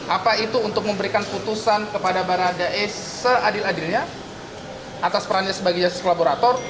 apa itu untuk memberikan putusan kepada baradae seadil adilnya atas perannya sebagai justice kolaborator